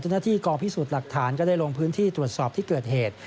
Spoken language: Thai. หน้าที่กองพิสูจน์หลักฐานก็ได้ลงพื้นที่ตรวจสอบที่เกิดเหตุ